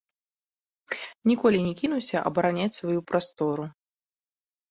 Ніколі не кінуся абараняць сваю прастору.